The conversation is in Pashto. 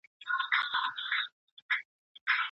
د دوکتورا برنامه بې هدفه نه تعقیبیږي.